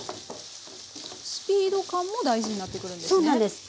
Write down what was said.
スピード感も大事になってくるんですね。